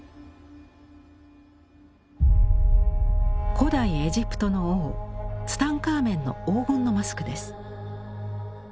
古代エジプトの王ツタンカーメンの黄金のマスクです。